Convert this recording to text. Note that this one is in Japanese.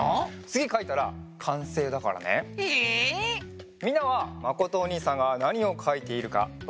つぎかいたらかんせいだからね。え！？みんなはまことおにいさんがなにをかいているかわかるかな？